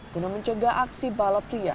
guna mencegah aksi balap lia